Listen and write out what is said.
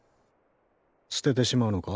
捨ててしまうのか？